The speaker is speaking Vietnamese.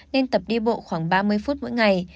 nên tập đi bộ khoảng ba mươi phút mỗi ngày